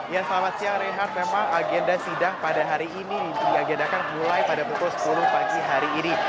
ya selamat siang reinhardt memang agenda sidang pada hari ini diagendakan mulai pada pukul sepuluh pagi hari ini